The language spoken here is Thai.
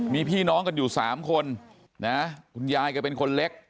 มีพี่น้องกันอยู่๓คนนะคุณยายแกเป็นคนเล็ก